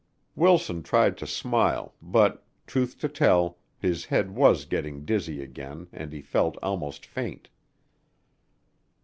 Wilson tried to smile, but, truth to tell, his head was getting dizzy again and he felt almost faint.